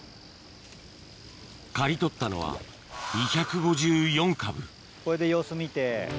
刈り取ったのはこれで様子見て。